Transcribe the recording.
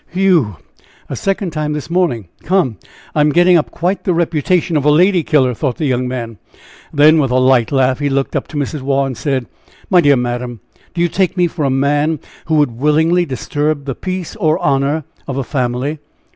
"Whe ew! a second time this morning! Come! I'm getting up quite the reputation of a lady killer!" thought the young man. Then with a light laugh, he looked up to Mrs. Waugh, and said: "My dear madam, do you take me for a man who would willingly disturb the peace or honor of a family?"